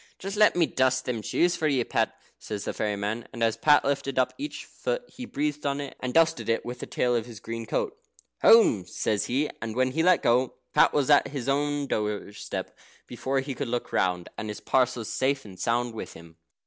"Just let me dust them shoes for ye, Pat," says the fairy man. And as Pat lifted up each foot he breathed on it, and dusted it with the tail of his green coat. "Home!" says he, and when he let go, Pat was at his own doorstep before he could look round, and his parcels safe and sound with him.